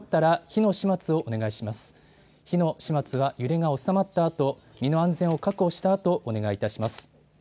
火の始末は揺れが収まったあと、身の安全を確保したあとお願いいたします。